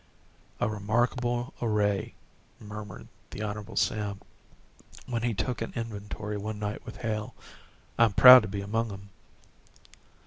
"A remarkable array," murmured the Hon. Sam, when he took an inventory one night with Hale, "I'm proud to be among 'em."